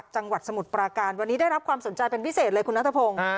จังหวัดสมุทรปราการวันนี้ได้รับความสนใจเป็นพิเศษเลยคุณนัทพงศ์